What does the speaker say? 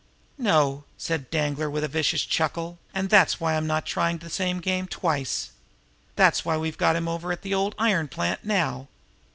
"No," said Danglar, with a vicious chuckle; "and that's why I'm not trying the same game twice. That's why we've got him over in the old iron plant now."